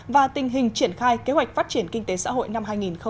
và tình hình triển khai kế hoạch phát triển kinh tế xã hội năm hai nghìn hai mươi